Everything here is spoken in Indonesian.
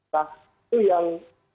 nah itu yang